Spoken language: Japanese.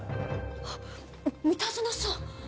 あっ三田園さん！